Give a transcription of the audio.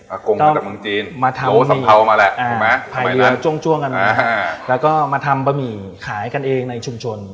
อากงมาจากเมืองจีนโหสำเภามาแหละภายเดียวจ้วงกันมาแล้วก็มาทำบะหมี่ขายกันเองในชุมชน